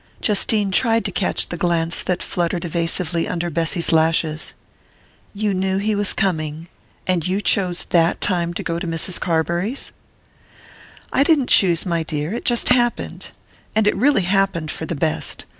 Justine tried to catch the glance that fluttered evasively under Bessy's lashes. "You knew he was coming and you chose that time to go to Mrs. Carbury's?" "I didn't choose, my dear it just happened! And it really happened for the best.